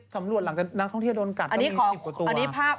สำรวจหลังจากนักท่องเที่ยวโดนกัดก็มี๑๐กว่าตัว